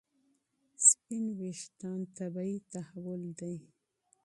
سپین وریښتان طبیعي تحول دی.